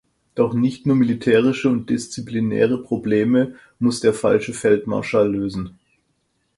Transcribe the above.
Doch nicht nur militärische und disziplinäre Probleme muss der falsche Feldmarschall lösen.